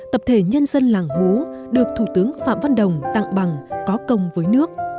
tập thể nhân dân làng hú được thủ tướng phạm văn đồng tặng bằng có công với nước